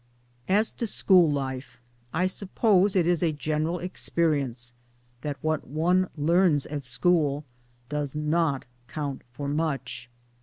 As to school life, I suppose it is a general ex perience that what one learns at school does not count for much.